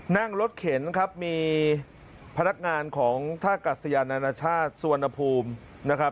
นั่งรถเข็นครับมีพนักงานของท่ากัศยานานาชาติสุวรรณภูมินะครับ